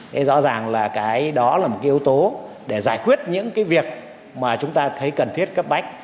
thế rõ ràng là cái đó là một cái yếu tố để giải quyết những cái việc mà chúng ta thấy cần thiết cấp bách